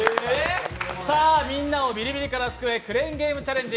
みんなをビリビリから救え、クレーンゲームチャレンジ。